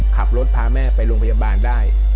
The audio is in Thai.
ขับรถพาแม่ไปโรงพยาบาลได้